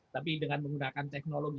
tapi dengan menggunakan teknologi